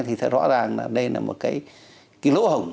thì thật rõ ràng là đây là một cái lỗ hổng